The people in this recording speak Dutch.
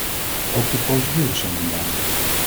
Ook de procedures zijn onduidelijk.